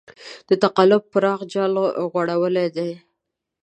د تقلب پراخ جال غوړولی دی.